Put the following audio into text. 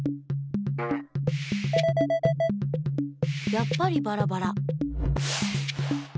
やっぱりバラバラ。